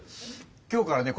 今日からね